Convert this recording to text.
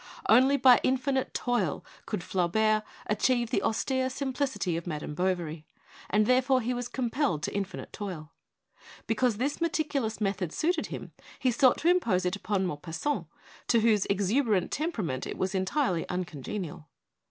Only by infinite toil could Flaubert achieve the austere simplicity of 'Madame Bovary/ and therefore he was com pelled to infinite toil. Because this meticulous method suited him, he sought to impose it upon Maupassant, to whose exuberant temperament it was entirely uncongenial.